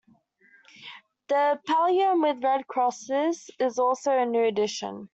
The pallium with red crosses is also a new addition.